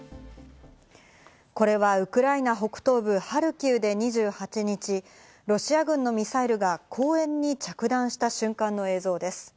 これはウクライナ北東部ハルキウで２８日、ロシア軍のミサイルが公園に着弾した瞬間の映像です。